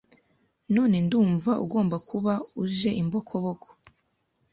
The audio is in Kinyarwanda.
None ndumva ugomba kuba uje imbokoboko.